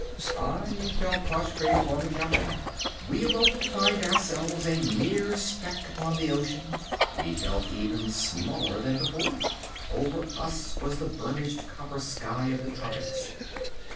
I fell prostrate upon the Captain. We awoke to find ourselves still a mere speck upon the ocean. We felt even smaller than before. Over us was the burnished copper sky of the tropics.